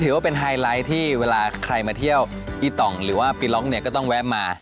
ไฮไลท์ที่เวลาใครมาเที่ยวอีต่องหรือว่าปีล็อกเนี่ยก็ต้องแวะมา